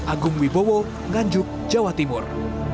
agung wibowo nganjuk jawa timur